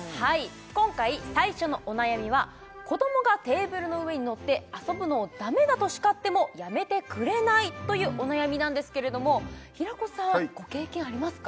今回最初のお悩みは子どもがテーブルの上に乗って遊ぶのをダメだと叱ってもやめてくれないというお悩みなんですけれども平子さんご経験ありますか